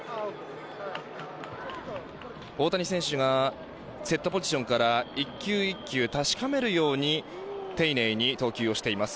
大谷選手がセットポジションから１球１球確かめるように丁寧に投球をしています。